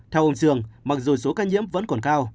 theo ông dương mặc dù số ca nhiễm vẫn còn cao